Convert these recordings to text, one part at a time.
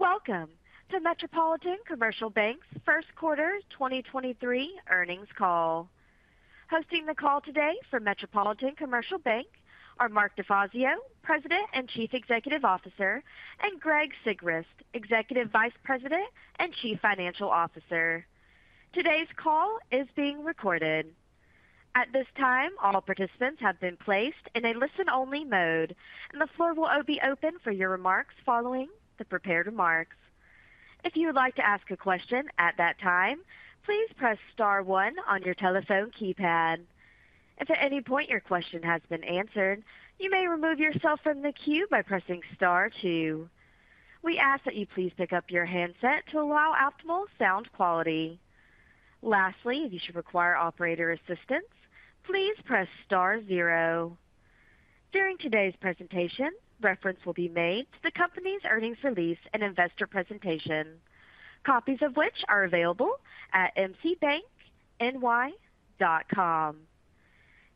Welcome to Metropolitan Commercial Bank's first quarter 2023 earnings call. Hosting the call today for Metropolitan Commercial Bank are Mark DeFazio, President and Chief Executive Officer, and Greg Sigrist, Executive Vice President and Chief Financial Officer. Today's call is being recorded. At this time, all participants have been placed in a listen-only mode, and the floor will be open for your remarks following the prepared remarks. If you would like to ask a question at that time, please press star 1 on your telephone keypad. If at any point your question has been answered, you may remove yourself from the queue by pressing star 2. We ask that you please pick up your handset to allow optimal sound quality. Lastly, if you should require operator assistance, please press star 0. During today's presentation, reference will be made to the company's earnings release and investor presentation, copies of which are available at mcbankny.com.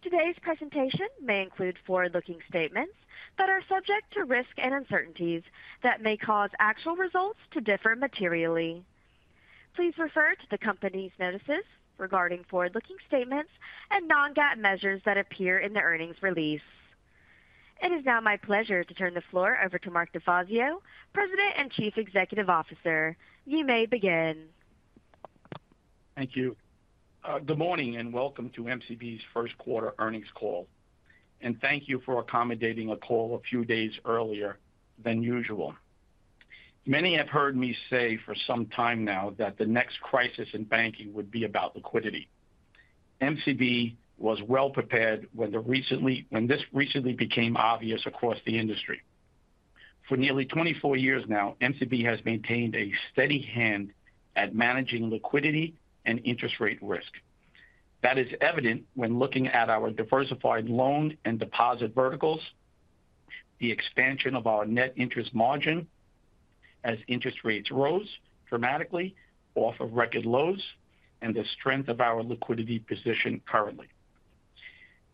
Today's presentation may include forward-looking statements that are subject to risk and uncertainties that may cause actual results to differ materially. Please refer to the company's notices regarding forward-looking statements and non-GAAP measures that appear in the earnings release. It is now my pleasure to turn the floor over to Mark DeFazio, President and Chief Executive Officer. You may begin. Thank you. Good morning and welcome to MCB's first quarter earnings call. Thank you for accommodating a call a few days earlier than usual. Many have heard me say for some time now that the next crisis in banking would be about liquidity. MCB was well prepared when this recently became obvious across the industry. For nearly 24 years now, MCB has maintained a steady hand at managing liquidity and interest rate risk. That is evident when looking at our diversified loan and deposit verticals, the expansion of our net interest margin as interest rates rose dramatically off of record lows, and the strength of our liquidity position currently.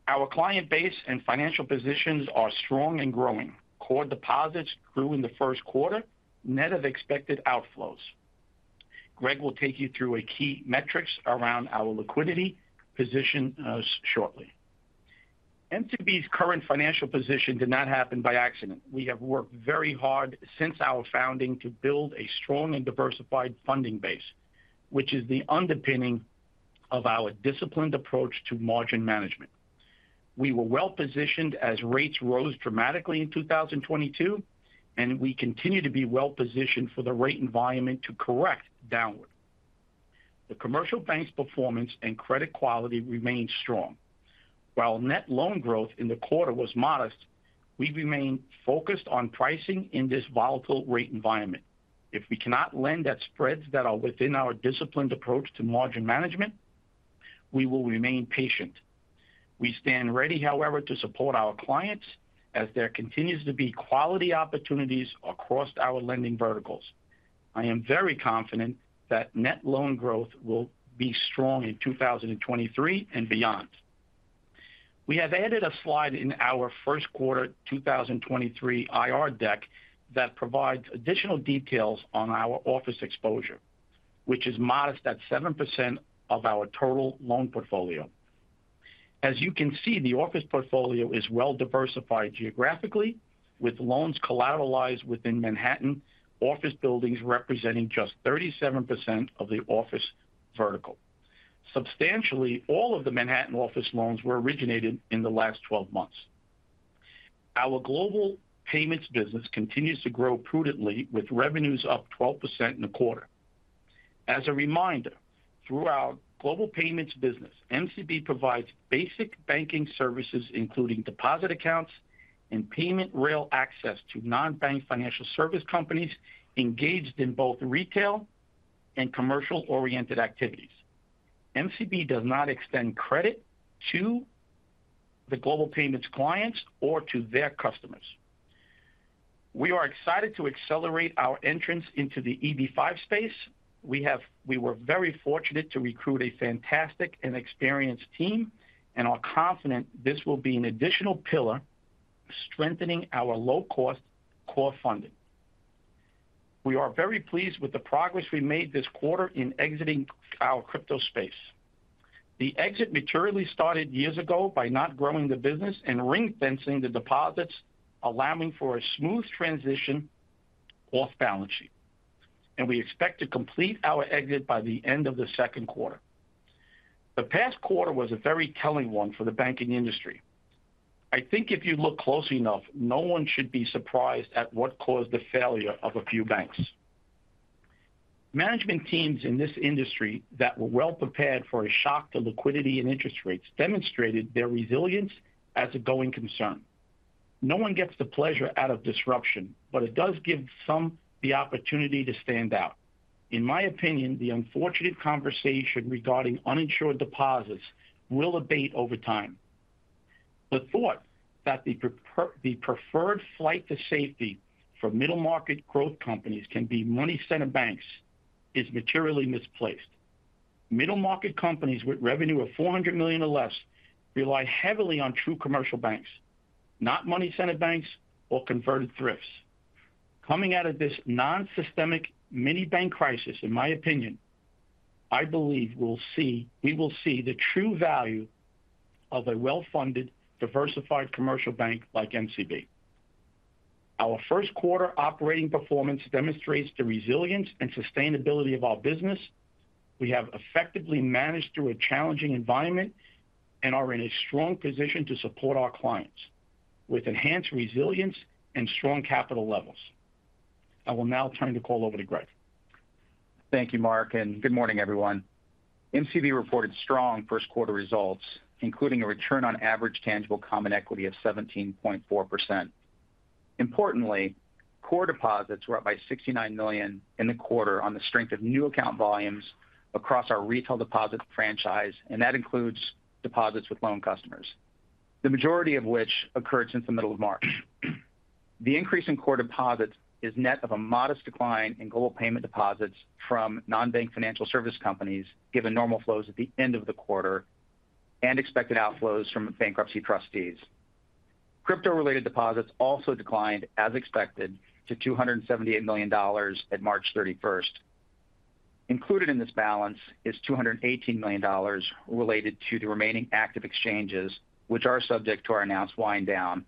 Our client base and financial positions are strong and growing. Core deposits grew in the first quarter, net of expected outflows. Greg will take you through a key metrics around our liquidity position shortly. MCB's current financial position did not happen by accident. We have worked very hard since our founding to build a strong and diversified funding base, which is the underpinning of our disciplined approach to margin management. We were well positioned as rates rose dramatically in 2022. We continue to be well positioned for the rate environment to correct downward. The commercial bank's performance and credit quality remain strong. While net loan growth in the quarter was modest, we remain focused on pricing in this volatile rate environment. If we cannot lend at spreads that are within our disciplined approach to margin management, we will remain patient. We stand ready, however, to support our clients as there continues to be quality opportunities across our lending verticals. I am very confident that net loan growth will be strong in 2023 and beyond. We have added a slide in our first quarter 2023 IR deck that provides additional details on our office exposure, which is modest at 7% of our total loan portfolio. You can see, the office portfolio is well diversified geographically, with loans collateralized within Manhattan, office buildings representing just 37% of the office vertical. Substantially, all of the Manhattan office loans were originated in the last 12 months. Our Global Payments business continues to grow prudently, with revenues up 12% in the quarter. A reminder, through our Global Payments business, MCB provides basic banking services, including deposit accounts and payment rail access to non-bank financial service companies engaged in both retail and commercial-oriented activities. MCB does not extend credit to the Global Payments clients or to their customers. We are excited to accelerate our entrance into the EB-5 space. We were very fortunate to recruit a fantastic and experienced team, and are confident this will be an additional pillar strengthening our low cost core funding. We are very pleased with the progress we made this quarter in exiting our crypto space. The exit materially started years ago by not growing the business and ring-fencing the deposits, allowing for a smooth transition off balance sheet. We expect to complete our exit by the end of the second quarter. The past quarter was a very telling one for the banking industry. I think if you look closely enough, no one should be surprised at what caused the failure of a few banks. Management teams in this industry that were well prepared for a shock to liquidity and interest rates demonstrated their resilience as a going concern. No one gets the pleasure out of disruption, it does give some the opportunity to stand out. In my opinion, the unfortunate conversation regarding uninsured deposits will abate over time. The thought that the preferred flight to safety for middle-market growth companies can be money center banks is materially misplaced. Middle market companies with revenue of $400 million or less rely heavily on true commercial banks, not money center banks or converted thrifts. Coming out of this non-systemic mini bank crisis, in my opinion, I believe we will see the true value of a well-funded, diversified commercial bank like MCB. Our first quarter operating performance demonstrates the resilience and sustainability of our business. We have effectively managed through a challenging environment and are in a strong position to support our clients with enhanced resilience and strong capital levels. I will now turn the call over to Greg. Thank you, Mark, good morning, everyone. MCB reported strong first quarter results, including a return on average tangible common equity of 17.4%. Importantly, core deposits were up by $69 million in the quarter on the strength of new account volumes across our retail deposit franchise, and that includes deposits with loan customers. The majority of which occurred since the middle of March. The increase in core deposits is net of a modest decline in global payment deposits from non-bank financial service companies, given normal flows at the end of the quarter and expected outflows from bankruptcy trustees. Crypto-related deposits also declined as expected to $278 million at March 31st. Included in this balance is $218 million related to the remaining active exchanges which are subject to our announced wind down,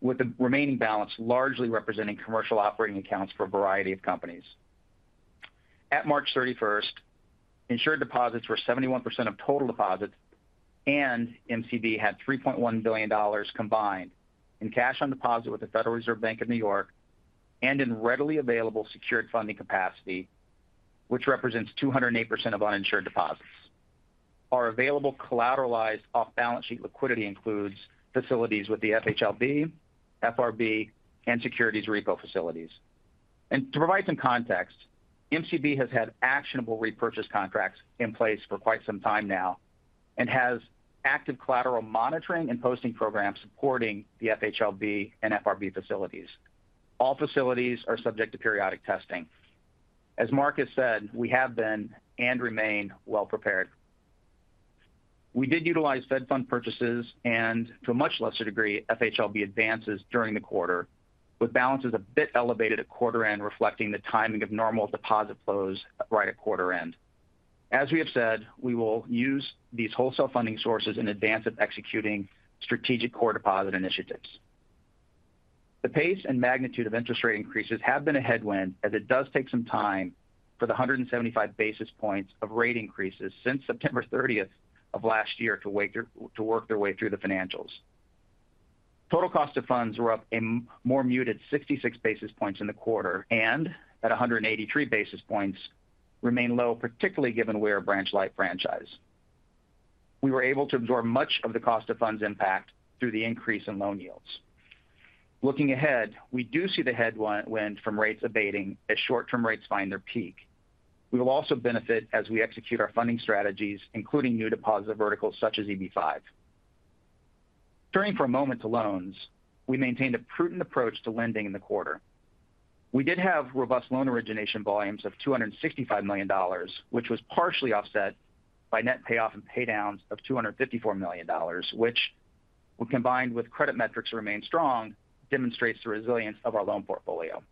with the remaining balance largely representing commercial operating accounts for a variety of companies. At March 31st, insured deposits were 71% of total deposits, MCB had $3.1 billion combined in cash on deposit with the Federal Reserve Bank of New York and in readily available secured funding capacity, which represents 208% of uninsured deposits. Our available collateralized off-balance sheet liquidity includes facilities with the FHLB, FRB, securities repo facilities. To provide some context, MCB has had actionable repurchase contracts in place for quite some time now and has active collateral monitoring and posting programs supporting the FHLB and FRB facilities. All facilities are subject to periodic testing. As Mark has said, we have been and remain well prepared. We did utilize Fed Funds purchases and to a much lesser degree, FHLB advances during the quarter, with balances a bit elevated at quarter end reflecting the timing of normal deposit flows right at quarter end. As we have said, we will use these wholesale funding sources in advance of executing strategic core deposit initiatives. The pace and magnitude of interest rate increases have been a headwind, as it does take some time for the 175 basis points of rate increases since September 30th of last year to work their way through the financials. Total cost of funds were up more muted 66 basis points in the quarter, and at 183 basis points remain low, particularly given we're a branch light franchise. We were able to absorb much of the cost of funds impact through the increase in loan yields. Looking ahead, we do see the headwind from rates abating as short-term rates find their peak. We will also benefit as we execute our funding strategies, including new deposit verticals such as EB5. Turning for a moment to loans, we maintained a prudent approach to lending in the quarter. We did have robust loan origination volumes of $265 million, which was partially offset by net payoff and pay downs of $254 million, which when combined with credit metrics remain strong, demonstrates the resilience of our loan portfolio.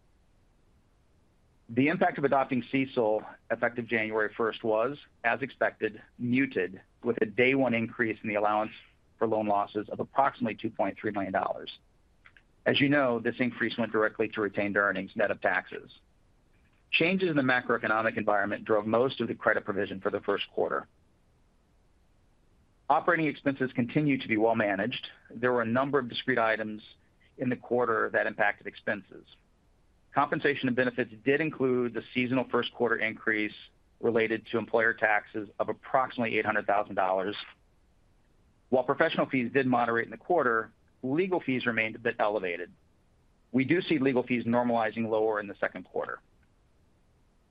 The impact of adopting CECL effective January first was, as expected, muted with a day one increase in the allowance for loan losses of approximately $2.3 million. As you know, this increase went directly to retained earnings net of taxes. Changes in the macroeconomic environment drove most of the credit provision for the first quarter. Operating expenses continued to be well managed. There were a number of discrete items in the quarter that impacted expenses. Compensation and benefits did include the seasonal first quarter increase related to employer taxes of approximately $800,000. While professional fees did moderate in the quarter, legal fees remained a bit elevated. We do see legal fees normalizing lower in the second quarter.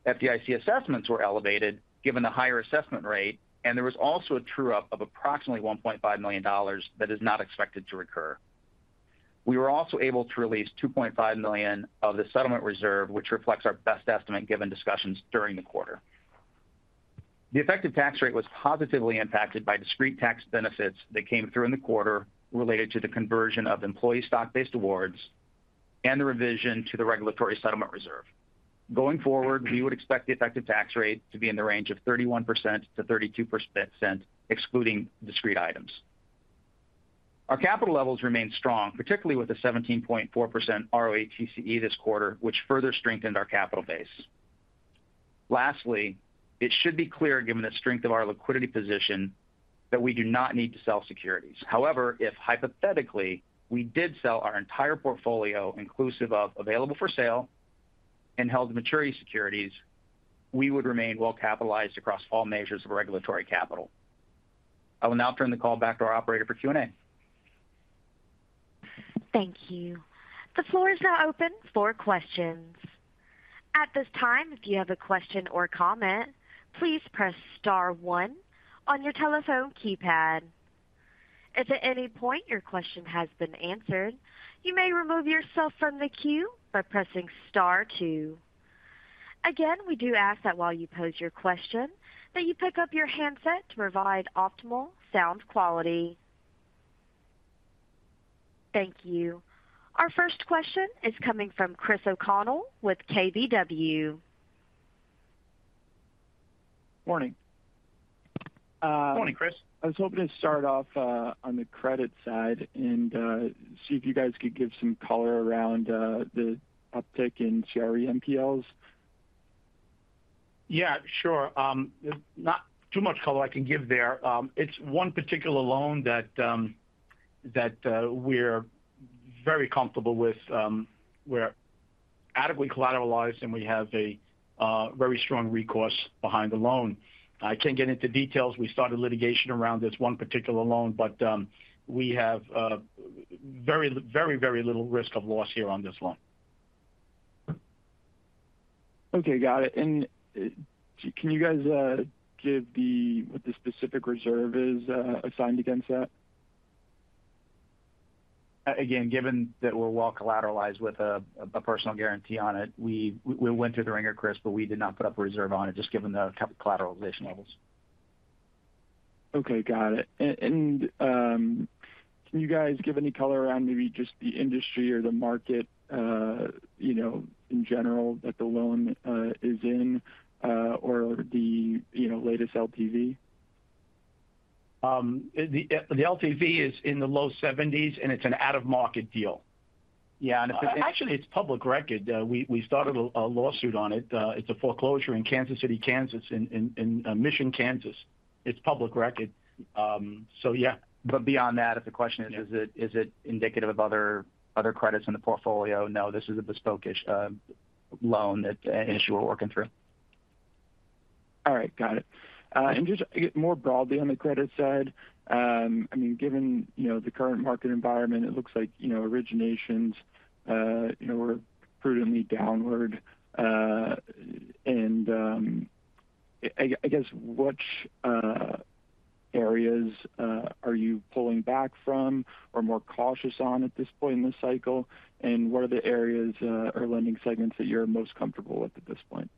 FDIC assessments were elevated given the higher assessment rate. There was also a true-up of approximately $1.5 million that is not expected to recur. We were also able to release $2.5 million of the settlement reserve, which reflects our best estimate given discussions during the quarter. The effective tax rate was positively impacted by discrete tax benefits that came through in the quarter related to the conversion of employee stock-based awards and the revision to the regulatory settlement reserve. Going forward, we would expect the effective tax rate to be in the range of 31%-32% excluding discrete items. Our capital levels remain strong, particularly with the 17.4% ROATCE this quarter, which further strengthened our capital base. Lastly, it should be clear given the strength of our liquidity position that we do not need to sell securities. However, if hypothetically we did sell our entire portfolio inclusive of available for sale and held to maturity securities, we would remain well capitalized across all measures of regulatory capital. I will now turn the call back to our operator for Q&A. Thank you. The floor is now open for questions. At this time, if you have a question or comment, please press star one on your telephone keypad. If at any point your question has been answered, you may remove yourself from the queue by pressing star 2. Again, we do ask that while you pose your question that you pick up your handset to provide optimal sound quality. Thank you. Our first question is coming from Chris O'Connell with KBW. Morning. Morning, Chris. I was hoping to start off on the credit side and see if you guys could give some color around the uptick in CRE NPLs. Sure. Not too much color I can give there. It's one particular loan that we're very comfortable with. We're adequately collateralized, and we have a very strong recourse behind the loan. I can't get into details. We started litigation around this one particular loan, we have very, very, very little risk of loss here on this loan. Okay. Got it. Can you guys give what the specific reserve is assigned against that? Given that we're well collateralized with a personal guarantee on it, we went through the ringer, Chris, but we did not put up a reserve on it just given the collateralization levels. Okay, got it. Can you guys give any color around maybe just the industry or the market, you know, in general that the loan is in, or the, you know, latest LTV? the LTV is in the low seventies, and it's an out-of-market deal. Yeah. Actually, it's public record. We started a lawsuit on it. It's a foreclosure in Kansas City, Kansas, in Mission, Kansas. It's public record. Yeah. Beyond that, if the question is it indicative of other credits in the portfolio? No, this is a bespoke-ish loan that an issue we're working through. All right. Got it. Just more broadly on the credit side, I mean, given, you know, the current market environment, it looks like, you know, originations, you know, were prudently downward. I guess, which areas are you pulling back from or more cautious on at this point in this cycle? What are the areas or lending segments that you're most comfortable with at this point?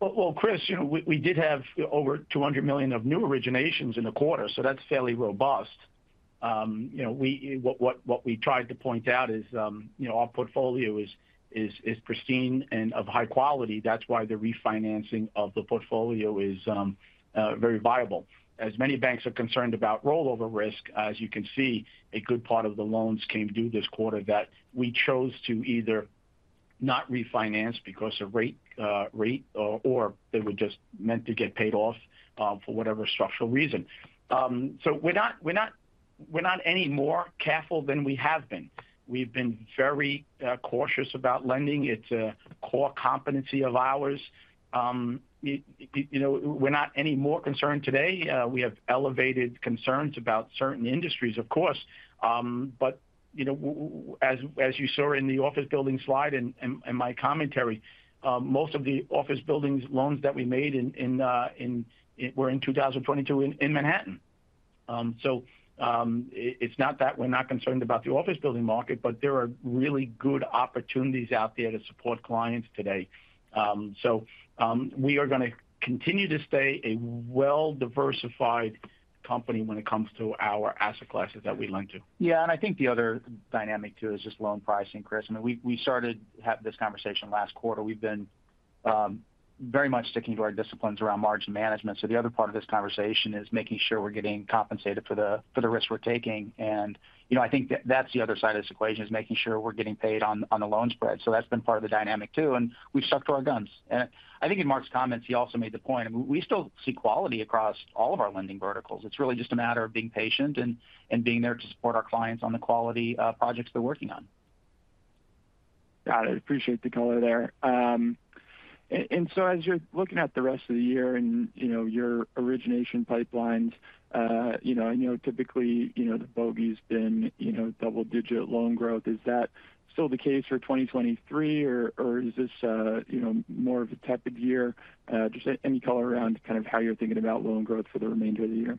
Well, Chris, you know, we did have over $200 million of new originations in the quarter. That's fairly robust. You know, what we tried to point out is, you know, our portfolio is pristine and of high quality. That's why the refinancing of the portfolio is very viable. As many banks are concerned about rollover risk, as you can see, a good part of the loans came due this quarter that we chose to either not refinance because of rate or they were just meant to get paid off for whatever structural reason. We're not any more careful than we have been. We've been very cautious about lending. It's a core competency of ours. You know, we're not any more concerned today. We have elevated concerns about certain industries, of course. You know, as you saw in the office building slide and my commentary, most of the office buildings loans that we made were in 2022 in Manhattan. It's not that we're not concerned about the office building market, but there are really good opportunities out there to support clients today. We are gonna continue to stay a well-diversified company when it comes to our asset classes that we lend to. I think the other dynamic too is just loan pricing, Chris. I mean, we started have this conversation last quarter. We've been very much sticking to our disciplines around margin management. The other part of this conversation is making sure we're getting compensated for the risks we're taking. You know, I think that's the other side of this equation is making sure we're getting paid on the loan spread. That's been part of the dynamic too, and we've stuck to our guns. I think in Mark's comments, he also made the point. We still see quality across all of our lending verticals. It's really just a matter of being patient and being there to support our clients on the quality projects they're working on. Got it. Appreciate the color there. So as you're looking at the rest of the year and, you know, your origination pipelines, you know, I know typically, you know, the bogey's been, you know, double-digit loan growth. Is that still the case for 2023, or is this, you know, more of a tepid year? Just any color around kind of how you're thinking about loan growth for the remainder of the year.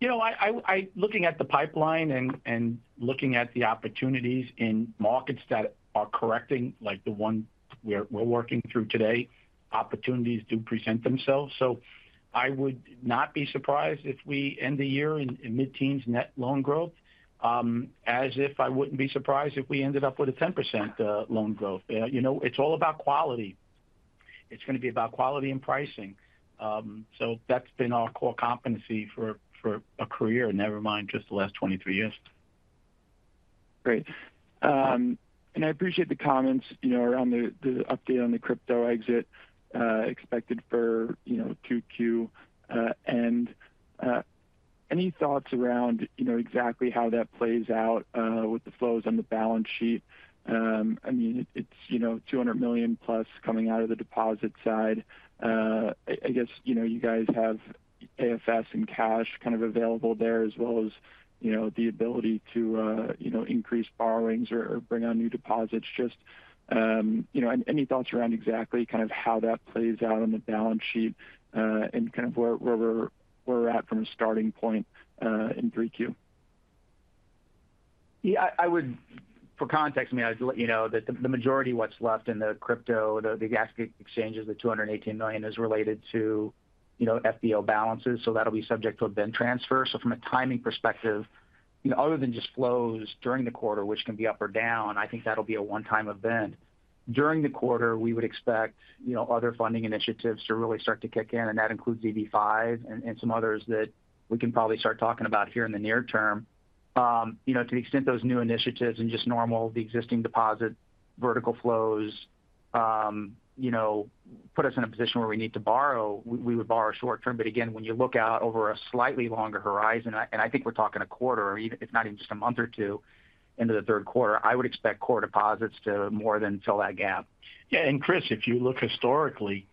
You know, I looking at the pipeline and looking at the opportunities in markets that are correcting like the one we're working through today, opportunities do present themselves. I would not be surprised if we end the year in mid-teens net loan growth, as if I wouldn't be surprised if we ended up with a 10% loan growth. You know, it's all about quality. It's gonna be about quality and pricing. That's been our core competency for a career, never mind just the last 23 years. Great. I appreciate the comments, you know, around the update on the crypto exit, expected for, you know, Q2. Any thoughts around, you know, exactly how that plays out with the flows on the balance sheet? I mean, it's, you know, $200 million+ coming out of the deposit side. I guess, you know, you guys have AFS and cash kind of available there as well as, you know, the ability to, you know, increase borrowings or bring on new deposits. Any thoughts around exactly kind of how that plays out on the balance sheet and kind of where we're at from a starting point in 3 Q? I would for context, I mean, I would let you know that the majority of what's left in the crypto, the crypto exchanges, the $218 million, is related to, you know, FBO balances, that'll be subject to a BIN transfer. From a timing perspective, you know, other than just flows during the quarter, which can be up or down, I think that'll be a one-time event. During the quarter, we would expect, you know, other funding initiatives to really start to kick in, that includes EB5 and some others that we can probably start talking about here in the near term. You know, to the extent those new initiatives and just normal existing deposit vertical flows, you know, put us in a position where we need to borrow, we would borrow short term. Again, when you look out over a slightly longer horizon, and I think we're talking a quarter or even if not even just a month or two into the third quarter, I would expect core deposits to more than fill that gap. Yeah. Chris, if you look historically,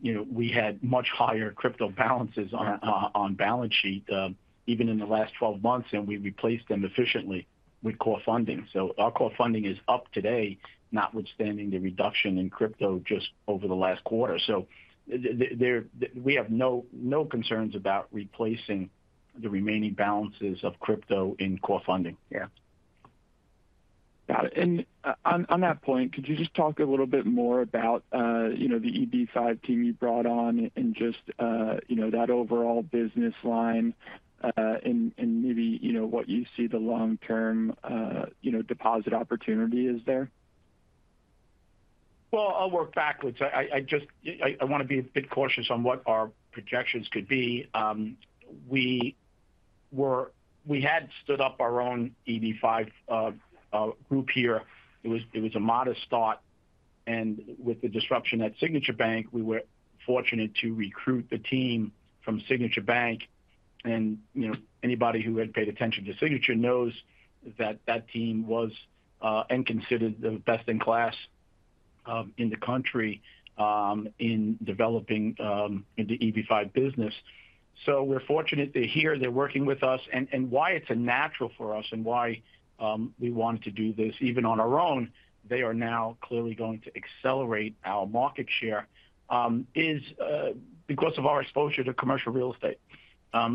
you know, we had much higher crypto balances on balance sheet, even in the last 12 months, and we replaced them efficiently with core funding. Our core funding is up today, notwithstanding the reduction in crypto just over the last quarter. We have no concerns about replacing the remaining balances of crypto in core funding. Yeah. Got it. On that point, could you just talk a little bit more about, you know, the EB5 team you brought on and just, you know, that overall business line, and maybe, you know, what you see the long-term, you know, deposit opportunity is there? Well, I'll work backwards. I want to be a bit cautious on what our projections could be. We had stood up our own EB5 group here. It was, it was a modest start. With the disruption at Signature Bank, we were fortunate to recruit the team from Signature Bank. You know, anybody who had paid attention to Signature knows that that team was and considered the best in class in the country in developing the EB5 business. We're fortunate they're here, they're working with us. Why it's a natural for us and why we want to do this even on our own, they are now clearly going to accelerate our market share is because of our exposure to commercial real estate.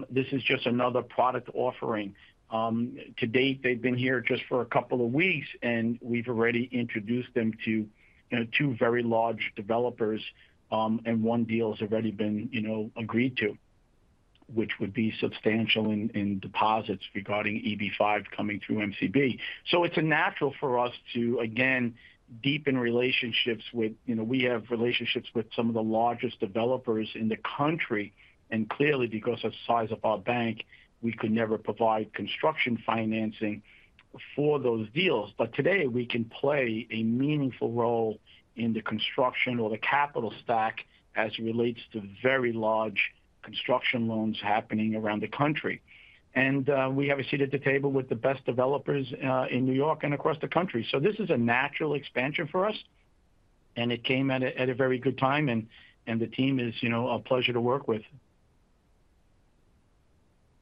This is just another product offering. To date, they've been here just for a couple of weeks, and we've already introduced them to, you know, 2 very large developers, and 1 deal has already been, you know, agreed to, which would be substantial in deposits regarding EB5 coming through MCB. It's a natural for us to, again, deepen relationships with, you know, we have relationships with some of the largest developers in the country, and clearly, because of the size of our bank, we could never provide construction financing for those deals. Today we can play a meaningful role in the construction or the capital stack as it relates to very large construction loans happening around the country. We have a seat at the table with the best developers in New York and across the country. This is a natural expansion for us, and it came at a very good time, and the team is, you know, a pleasure to work with.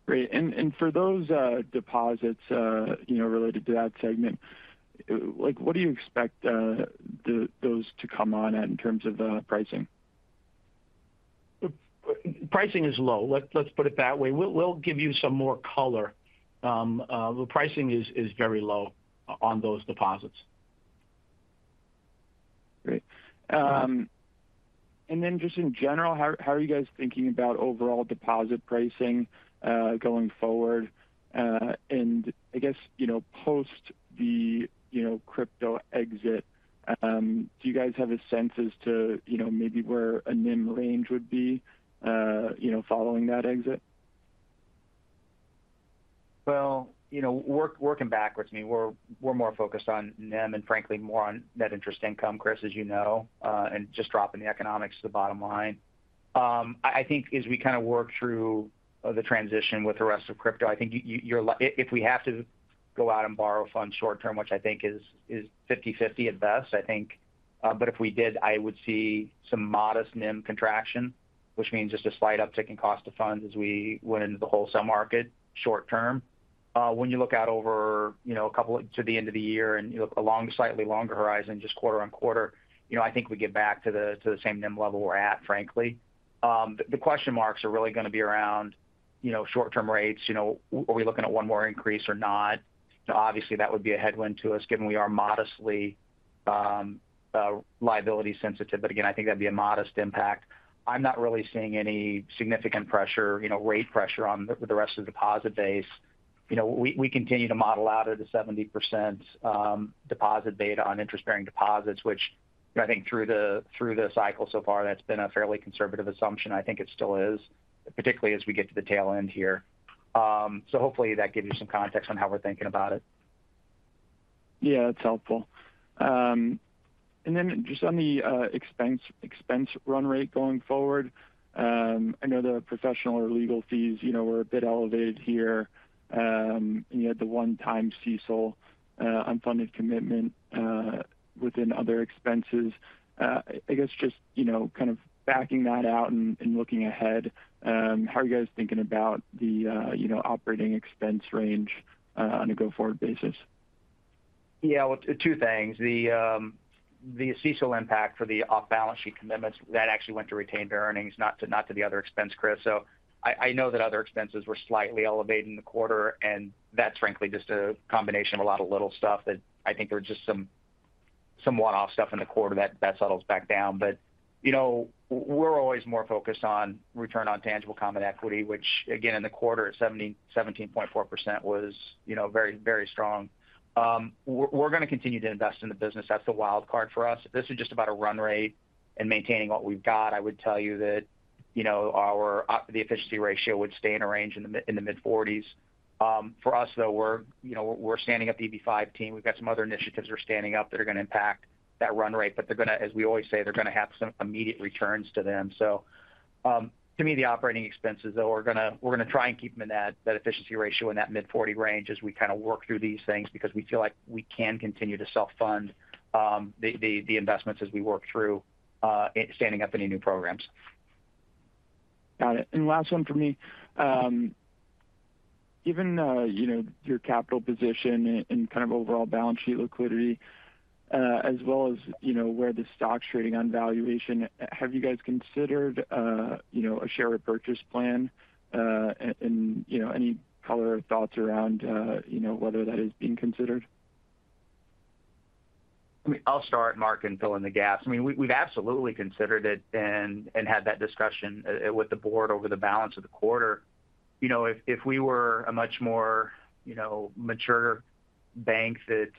Great. For those deposits, you know, related to that segment, like, what do you expect those to come on at in terms of pricing? Pricing is low. Let's put it that way. We'll give you some more color. The pricing is very low on those deposits. Great. Just in general, how are you guys thinking about overall deposit pricing, going forward? I guess, you know, post the, you know, crypto exit, do you guys have a sense as to, you know, maybe where a NIM range would be, you know, following that exit? Well, you know, working backwards, I mean, we're more focused on NIM and frankly more on net interest income, Chris, as you know, and just dropping the economics to the bottom line. I think as we kind of work through the transition with the rest of crypto, I think if we have to go out and borrow funds short term, which I think is 50/50 at best, I think. If we did, I would see some modest NIM contraction, which means just a slight uptick in cost of funds as we went into the wholesale market short term. When you look out over, you know, to the end of the year and you look along a slightly longer horizon, just quarter-on-quarter, you know, I think we get back to the same NIM level we're at, frankly. The question marks are really going to be around, you know, short-term rates. You know, are we looking at one more increase or not? Obviously, that would be a headwind to us given we are modestly liability sensitive. Again, I think that'd be a modest impact. I'm not really seeing any significant pressure, you know, rate pressure on the rest of the deposit base. You know, we continue to model out at a 70% deposit beta on interest-bearing deposits, which I think through the cycle so far, that's been a fairly conservative assumption. I think it still is, particularly as we get to the tail end here. Hopefully that gives you some context on how we're thinking about it. Yeah, that's helpful. Just on the expense run rate going forward, I know the professional or legal fees, you know, were a bit elevated here. You had the one-time CECL unfunded commitment within other expenses. I guess just, you know, kind of backing that out and looking ahead, how are you guys thinking about the, you know, operating expense range on a go-forward basis? Yeah. Well, two things. The CECL impact for the off-balance sheet commitments, that actually went to retained earnings, not to the other expense, Chris. I know that other expenses were slightly elevated in the quarter, that's frankly just a combination of a lot of little stuff that I think there was just some one-off stuff in the quarter that settles back down. You know, we're always more focused on return on tangible common equity, which again, in the quarter at 17.4% was, you know, very, very strong. We're gonna continue to invest in the business. That's the wild card for us. If this was just about a run rate and maintaining what we've got, I would tell you that, you know, the efficiency ratio would stay in a range in the mid-forties. For us though, we're, you know, we're standing up the EB-5 team. We've got some other initiatives that are standing up that are gonna impact that run rate, but they're gonna, as we always say, they're gonna have some immediate returns to them. To me, the operating expenses though, we're gonna, we're gonna try and keep them in that efficiency ratio in that mid-forty range as we kind of work through these things because we feel like we can continue to self-fund the investments as we work through standing up any new programs. Got it. Last one from me. Given, you know, your capital position and kind of overall balance sheet liquidity, as well as, you know, where the stock's trading on valuation, have you guys considered, you know, a share repurchase plan, and, you know, any color or thoughts around, you know, whether that is being considered? I mean, I'll start, Mark, and fill in the gaps. I mean, we've absolutely considered it and had that discussion with the board over the balance of the quarter. You know, if we were a much more, you know, mature bank that,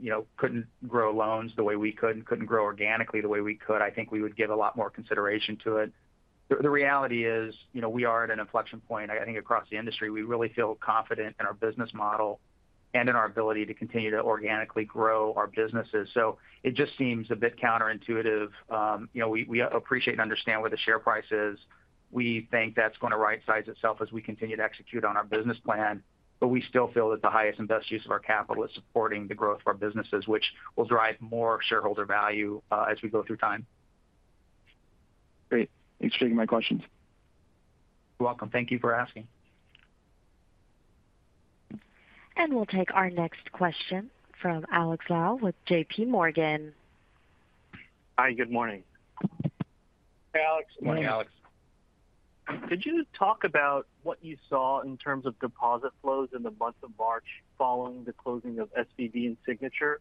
you know, couldn't grow loans the way we could and couldn't grow organically the way we could, I think we would give a lot more consideration to it. The reality is, you know, we are at an inflection point, I think, across the industry. We really feel confident in our business model and in our ability to continue to organically grow our businesses. It just seems a bit counterintuitive. You know, we appreciate and understand where the share price is. We think that's gonna rightsize itself as we continue to execute on our business plan, but we still feel that the highest and best use of our capital is supporting the growth of our businesses, which will drive more shareholder value, as we go through time. Great. Thanks for taking my questions. You're welcome. Thank you for asking. We'll take our next question from Alex Lau with JPMorgan. Hi, good morning. Hey, Alex. Good morning, Alex. Could you talk about what you saw in terms of deposit flows in the month of March following the closing of SVB and Signature?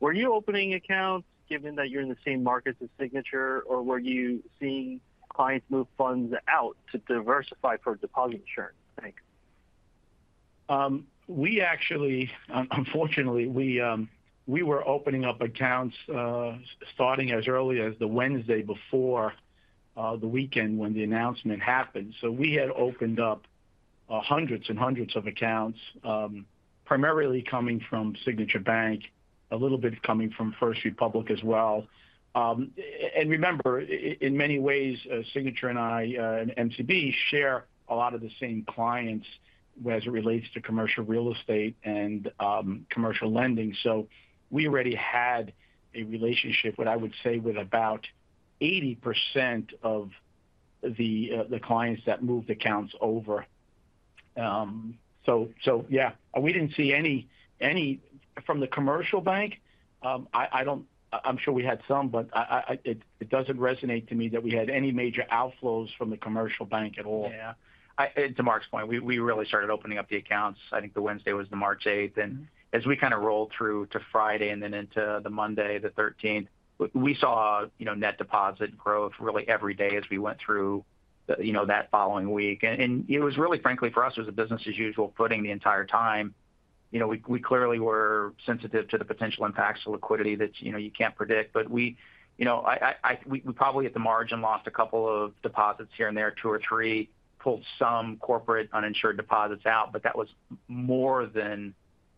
Were you opening accounts given that you're in the same market as Signature, or were you seeing clients move funds out to diversify for deposit insurance? Thanks. We unfortunately, we were opening up accounts starting as early as the Wednesday before the weekend when the announcement happened. We had opened up hundreds and hundreds of accounts primarily coming from Signature Bank, a little bit coming from First Republic as well. Remember, in many ways, Signature and MCB share a lot of the same clients as it relates to commercial real estate and commercial lending. We already had a relationship, what I would say, with about 80% of the clients that moved accounts over. Yeah, we didn't see any from the commercial bank. I don't. I'm sure we had some, but it doesn't resonate to me that we had any major outflows from the commercial bank at all. Yeah. To Mark's point, we really started opening up the accounts, I think the Wednesday was the March eighth. As we kind of rolled through to Friday and then into the Monday, the thirteenth, we saw, you know, net deposit growth really every day as we went through, you know, that following week. It was really, frankly, for us, it was a business as usual footing the entire time. You know, we clearly were sensitive to the potential impacts of liquidity that, you know, you can't predict. We, you know, we probably at the margin lost a couple of deposits here and there, two or three, pulled some corporate uninsured deposits out, but that was more than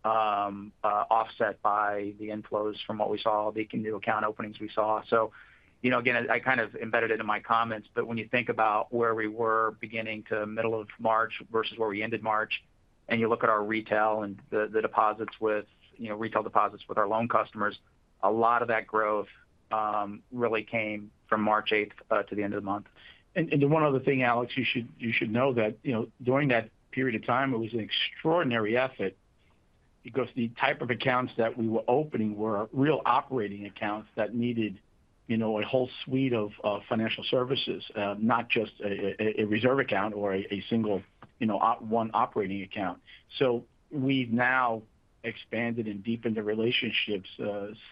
offset by the inflows from what we saw, the new account openings we saw. You know, again, I kind of embedded it in my comments, but when you think about where we were beginning to middle of March versus where we ended March, and you look at our retail and the deposits with, you know, retail deposits with our loan customers, a lot of that growth really came from March eighth to the end of the month. Then one other thing, Alex, you should know that, you know, during that period of time, it was an extraordinary effort because the type of accounts that we were opening were real operating accounts that needed, you know, a whole suite of financial services, not just a reserve account or a single, you know, one operating account. We've now expanded and deepened the relationships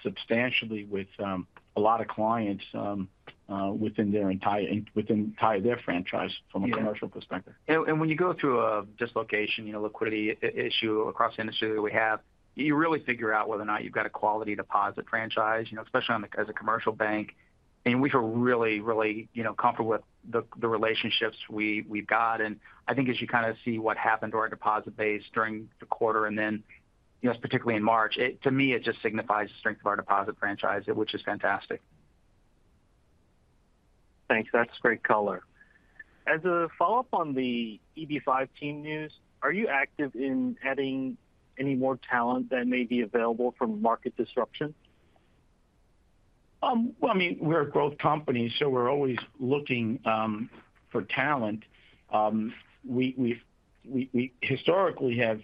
substantially with a lot of clients within their entire franchise from a commercial perspective. Yeah. When you go through a dislocation, you know, liquidity issue across the industry that we have, you really figure out whether or not you've got a quality deposit franchise, you know, especially as a commercial bank. We feel really, you know, comfortable with the relationships we've got. I think as you kind of see what happened to our deposit base during the quarter and then, you know, particularly in March, to me, it just signifies the strength of our deposit franchise, which is fantastic. Thanks. That's great color. As a follow-up on the EB-5 team news, are you active in adding any more talent that may be available from market disruption? Well, I mean, we're a growth company, so we're always looking for talent. We, we historically have,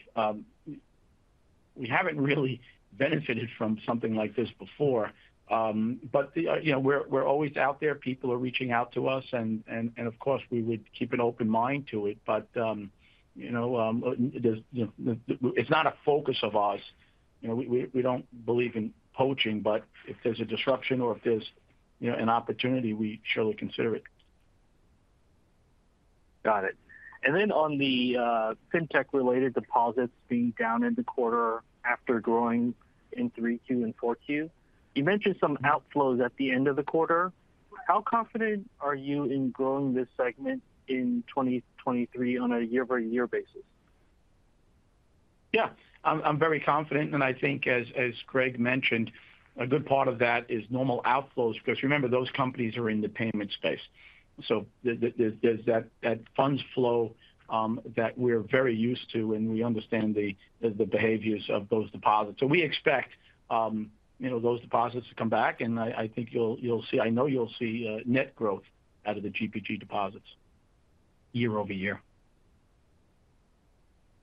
we haven't really benefited from something like this before. You know, we're always out there. People are reaching out to us and of course, we would keep an open mind to it. You know, it's not a focus of ours. You know, we don't believe in poaching, but if there's a disruption or if there's, you know, an opportunity, we'd surely consider it. Got it. On the fintech-related deposits being down in the quarter after growing in 3Q and 4Q. You mentioned some outflows at the end of the quarter. How confident are you in growing this segment in 2023 on a year-over-year basis? Yeah. I'm very confident. I think as Greg mentioned, a good part of that is normal outflows because remember, those companies are in the payment space. There's that funds flow, that we're very used to, and we understand the behaviors of those deposits. We expect, you know, those deposits to come back, and I think you'll see I know you'll see net growth out of the GPG deposits year-over-year.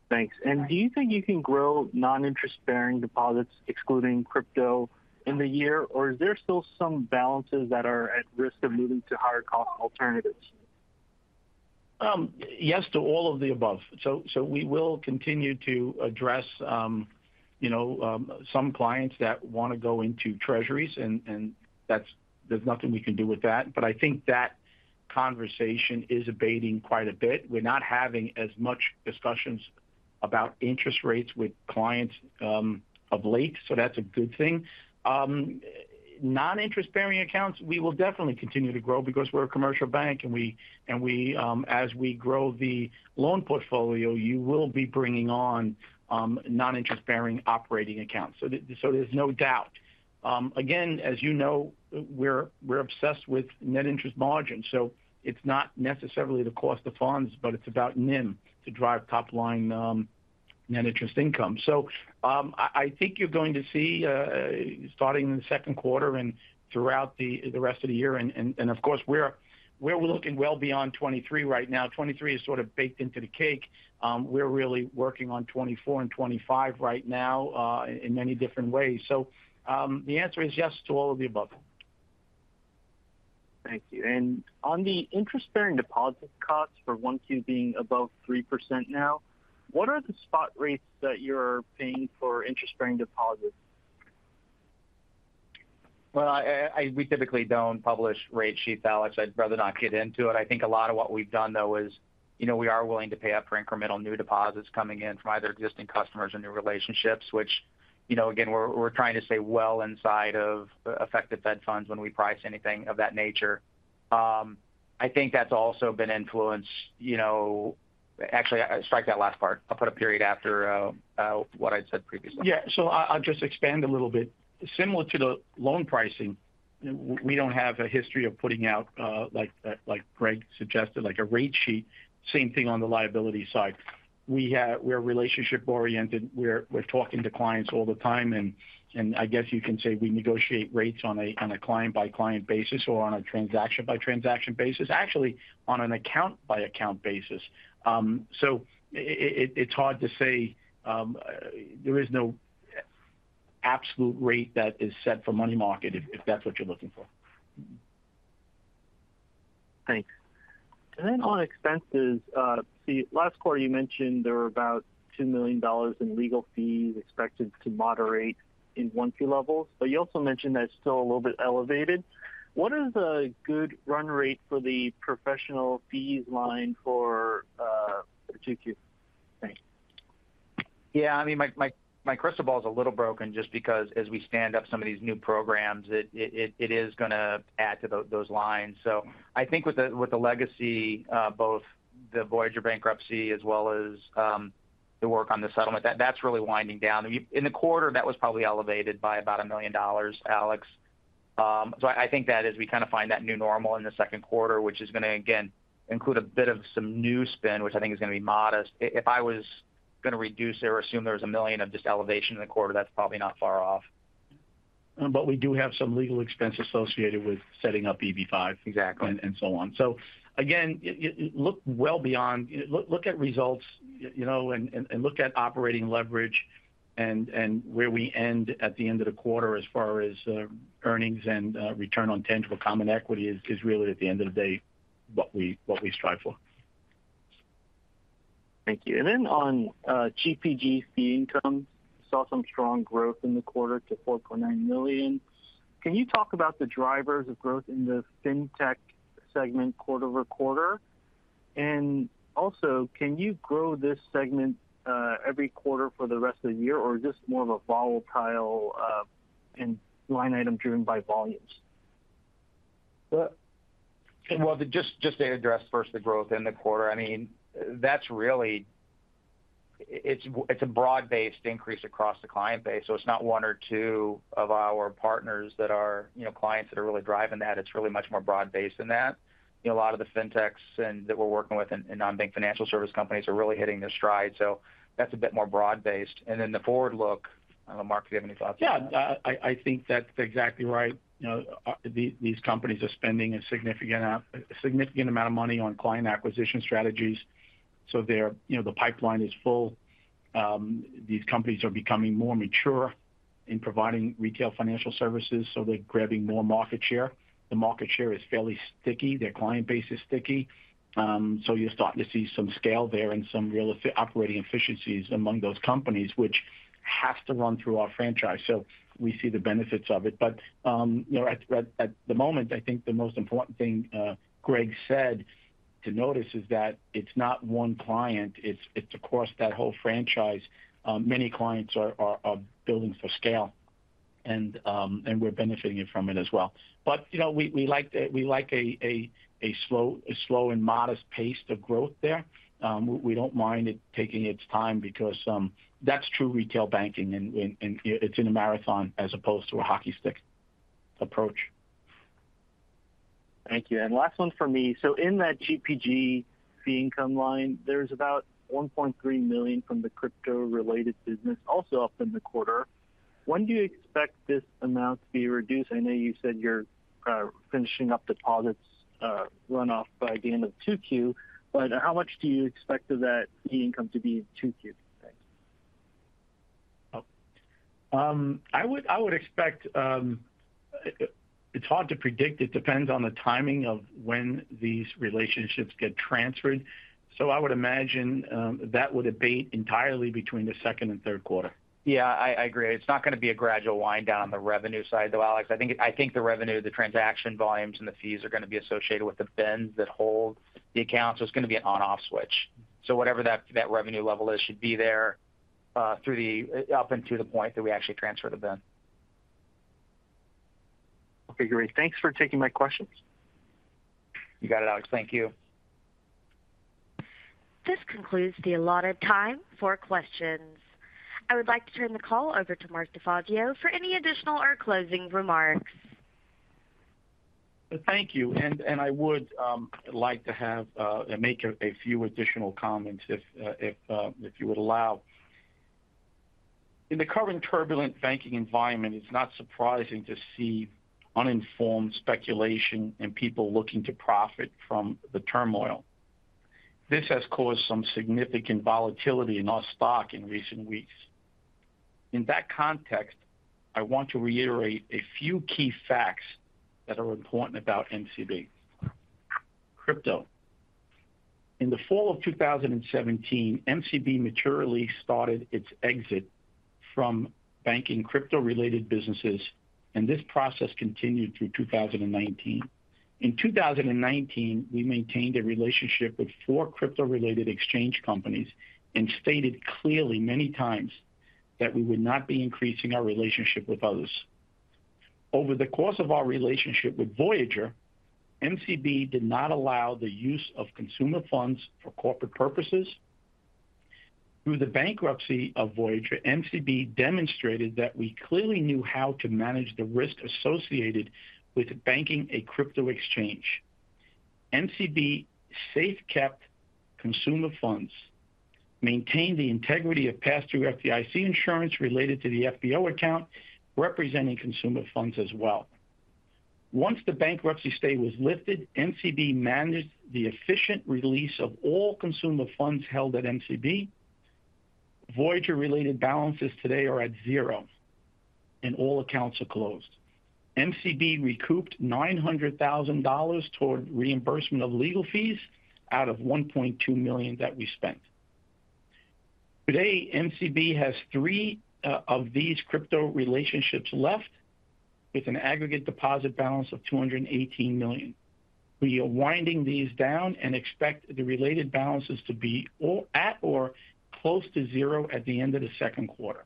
Thanks. Do you think you can grow non-interest bearing deposits excluding crypto in the year? Is there still some balances that are at risk of moving to higher cost alternatives? Yes to all of the above. We will continue to address, you know, some clients that wanna go into Treasuries and there's nothing we can do with that. I think that conversation is abating quite a bit. We're not having as much discussions about interest rates with clients of late, so that's a good thing. Non-interest bearing accounts, we will definitely continue to grow because we're a commercial bank, and we as we grow the loan portfolio, you will be bringing on non-interest bearing operating accounts. There's no doubt. Again, as you know, we're obsessed with Net Interest Margin, so it's not necessarily the cost of funds, but it's about NIM to drive top line Net Interest Income. I think you're going to see starting in the second quarter and throughout the rest of the year, and of course, we're looking well beyond 2023 right now. 2023 is sort of baked into the cake. We're really working on 2024 and 2025 right now, in many different ways. The answer is yes to all of the above. Thank you. On the interest bearing deposit costs for 1Q being above 3% now, what are the spot rates that you're paying for interest bearing deposits? Well, we typically don't publish rate sheet, Alex. I'd rather not get into it. I think a lot of what we've done, though, is, you know, we are willing to pay up for incremental new deposits coming in from either existing customers or new relationships, which, you know, again, we're trying to stay well inside of effective Fed Funds when we price anything of that nature. I think that's also been influenced, you know. Actually, strike that last part. I'll put a period after what I said previously. I'll just expand a little bit. Similar to the loan pricing, we don't have a history of putting out, like Greg suggested, like a rate sheet. Same thing on the liability side. We're relationship-oriented. We're talking to clients all the time, and I guess you can say we negotiate rates on a, on a client-by-client basis or on a transaction-by-transaction basis. Actually, on an account-by-account basis. So it's hard to say. There is no absolute rate that is set for money market if that's what you're looking for. Thanks. On expenses, the last quarter you mentioned there were about $2 million in legal fees expected to moderate in 1Q levels. You also mentioned that it's still a little bit elevated. What is a good run rate for the professional fees line for, 2Q? Thanks. Yeah, I mean, my crystal ball is a little broken just because as we stand up some of these new programs, it is gonna add to those lines. I think with the legacy, both the Voyager bankruptcy as well as the work on the settlement, that's really winding down. In the quarter, that was probably elevated by about $1 million, Alex. I think that as we kind of find that new normal in the second quarter, which is going to again include a bit of some new spin, which I think is going to be modest. If I was going to reduce it or assume there was $1 million of just elevation in the quarter, that's probably not far off. We do have some legal expense associated with setting up EB-5. Exactly ...and so on. Again, look well beyond. Look at results, you know, and look at operating leverage and where we end at the end of the quarter as far as earnings and return on tangible common equity is really at the end of the day what we strive for. Thank you. Then on GPG fee income, saw some strong growth in the quarter to $4.9 million. Can you talk about the drivers of growth in the fintech segment quarter-over-quarter? Also, can you grow this segment every quarter for the rest of the year, or is this more of a volatile and line item driven by volumes? Well, just to address first the growth in the quarter. I mean, it's a broad-based increase across the client base. It's not one or two of our partners that are, you know, clients that are really driving that. It's really much more broad-based than that. You know, a lot of the fintechs that we're working with and non-bank financial service companies are really hitting their stride. That's a bit more broad-based. The forward look I don't know, Mark, do you have any thoughts? Yeah, I think that's exactly right. You know, these companies are spending a significant amount of money on client acquisition strategies, so their, you know, the pipeline is full. These companies are becoming more mature in providing retail financial services, so they're grabbing more market share. The market share is fairly sticky. Their client base is sticky. So you're starting to see some scale there and some operating efficiencies among those companies which has to run through our franchise. We see the benefits of it. You know, at the moment, I think the most important thing Greg said to notice is that it's not one client, it's across that whole franchise. Many clients are building for scale, and we're benefiting it from it as well. You know, we like a slow and modest pace of growth there. We don't mind it taking its time because that's true retail banking and it's in a marathon as opposed to a hockey stick approach. Thank you. Last one from me. In that GPG fee income line, there's about $1.3 million from the crypto-related business also up in the quarter. When do you expect this amount to be reduced? I know you said you're finishing up deposits runoff by the end of 2Q, but how much do you expect of that fee income to be in 2Q? Thanks. I would expect. It's hard to predict. It depends on the timing of when these relationships get transferred. I would imagine that would abate entirely between the second and third quarter. Yeah. I agree. It's not gonna be a gradual wind down on the revenue side, though, Alex. I think the revenue, the transaction volumes and the fees are gonna be associated with the BINs that hold the accounts, so it's gonna be an on/off switch. Whatever that revenue level is should be there up until the point that we actually transfer the BIN. Okay, great. Thanks for taking my questions. You got it, Alex. Thank you. This concludes the allotted time for questions. I would like to turn the call over to Mark DeFazio for any additional or closing remarks. Thank you. I would like to make a few additional comments if you would allow. In the current turbulent banking environment, it's not surprising to see uninformed speculation and people looking to profit from the turmoil. This has caused some significant volatility in our stock in recent weeks. In that context, I want to reiterate a few key facts that are important about MCB. Crypto. In the fall of 2017, MCB maturely started its exit from banking crypto-related businesses, and this process continued through 2019. In 2019, we maintained a relationship with four crypto-related exchange companies and stated clearly many times that we would not be increasing our relationship with others. Over the course of our relationship with Voyager, MCB did not allow the use of consumer funds for corporate purposes. Through the bankruptcy of Voyager, MCB demonstrated that we clearly knew how to manage the risk associated with banking a crypto exchange. MCB safekept consumer funds, maintained the integrity of pass-through FDIC insurance related to the FBO account, representing consumer funds as well. Once the bankruptcy state was lifted, MCB managed the efficient release of all consumer funds held at MCB. Voyager-related balances today are at zero, and all accounts are closed. MCB recouped $900,000 toward reimbursement of legal fees out of $1.2 million that we spent. Today, MCB has three of these crypto relationships left with an aggregate deposit balance of $218 million. We are winding these down and expect the related balances to be at or close to zero at the end of the second quarter.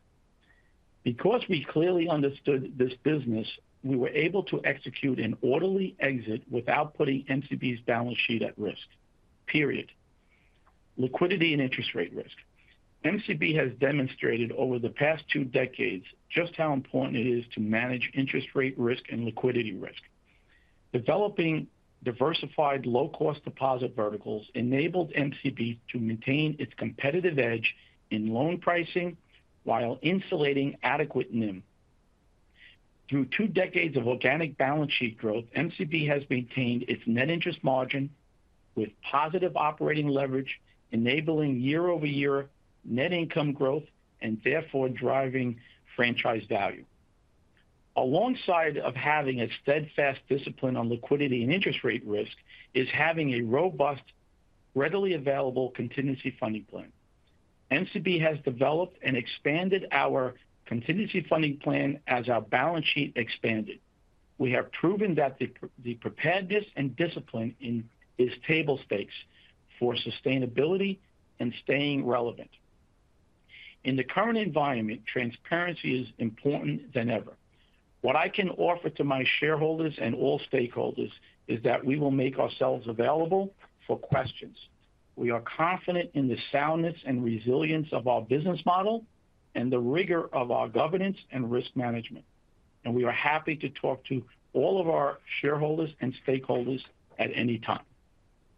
We clearly understood this business, we were able to execute an orderly exit without putting MCB's balance sheet at risk. Liquidity and interest rate risk. MCB has demonstrated over the past two decades just how important it is to manage interest rate risk and liquidity risk. Developing diversified low-cost deposit verticals enabled MCB to maintain its competitive edge in loan pricing while insulating adequate NIM. Through two decades of organic balance sheet growth, MCB has maintained its net interest margin with positive operating leverage, enabling year-over-year net income growth and therefore driving franchise value. Alongside of having a steadfast discipline on liquidity and interest rate risk is having a robust, readily available contingency funding plan. MCB has developed and expanded our contingency funding plan as our balance sheet expanded. We have proven that the preparedness and discipline in is table stakes for sustainability and staying relevant. In the current environment, transparency is important than ever. What I can offer to my shareholders and all stakeholders is that we will make ourselves available for questions. We are confident in the soundness and resilience of our business model and the rigor of our governance and risk management. We are happy to talk to all of our shareholders and stakeholders at any time.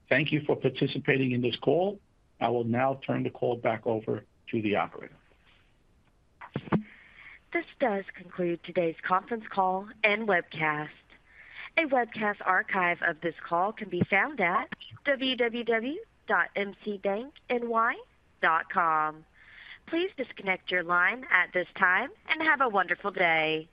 Thank you for participating in this call. I will now turn the call back over to the operator. This does conclude today's conference call and webcast. A webcast archive of this call can be found at www.mcbankny.com. Please disconnect your line at this time, and have a wonderful day.